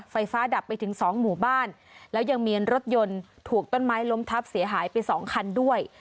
ไฟฟ้าดับไปถึงสองหมู่บ้านแล้วยังมีรถยนต์ถูกต้นไม้ล้มทับเสียหายไปสองคันด้วย